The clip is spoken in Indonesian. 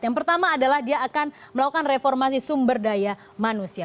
yang pertama adalah dia akan melakukan reformasi sumber daya manusia